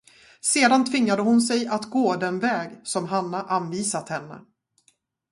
Sedan tvingade hon sig att gå den väg, som Hanna anvisat henne.